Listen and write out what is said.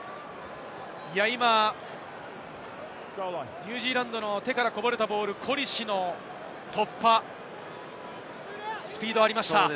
ニュージーランドの手からこぼれたボール、コリシの突破、スピードがありました。